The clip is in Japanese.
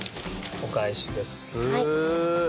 お返しです。